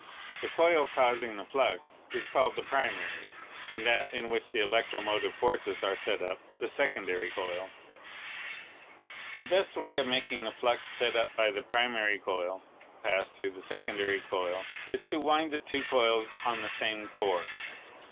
The coil causing the flux is called the ELECTRO MAGNETIC MACHINERY 203 primary, and that in which the electromotive forces are set up, the secondary coil. The best way of making the flux set up by the primary coil pass through the secondary coil is to wind the two coils on the same core.